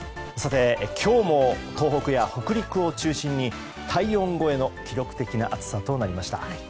今日も東北や北陸を中心に体温超えの記録的な暑さとなりました。